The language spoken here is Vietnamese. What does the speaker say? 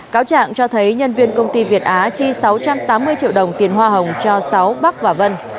cáo trạng cho thấy nhân viên công ty việt á chi sáu trăm tám mươi triệu đồng tiền hoa hồng cho sáu bắc và vân